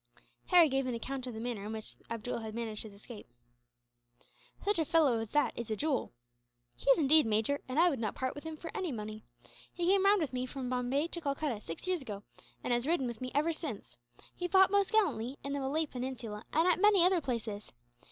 Harry gave an account of the manner in which Abdool had managed his escape. "Such a fellow as that is a jewel." "He is indeed, Major; and I would not part with him for any money. He came round with me from Bombay to Calcutta, six years ago, and has ridden with me ever since. He fought most gallantly, in the Malay Peninsula and at many other places.